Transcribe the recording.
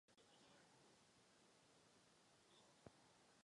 Eskortní plavidla.